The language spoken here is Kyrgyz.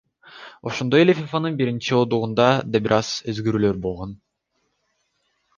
Ошондой эле ФИФАнын биринчи ондугунда да бир аз өзгөрүүлөр болгон.